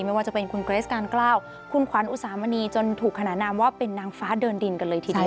ไม่ว่าจะเป็นคุณเกรสการกล้าคุณขวัญอุสามณีจนถูกขนานามว่าเป็นนางฟ้าเดินดินกันเลยทีเดียว